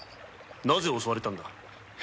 なぜ襲われたのだ？